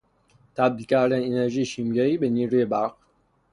تبدیل کردن انرژی شیمیایی به نیروی برق